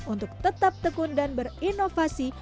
untuk tetap tekun dan berinovasi